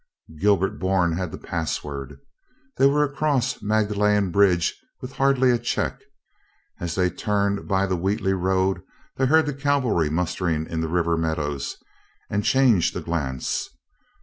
Gilbert Bourne had the password. They were across Magdalen bridge with hardly a check. As they turned by the Wheatley road they heard the cavalry mustering in the river meadows, and changed a glance.